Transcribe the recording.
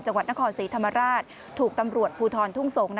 จังหวัดนครศรีธรรมราชถูกตำรวจภูทรทุ่งสงศ์